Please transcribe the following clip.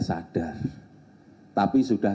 sadar tapi sudah